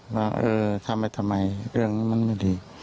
ว่าเออทำไปทำไมเรื่องมันไม่ดี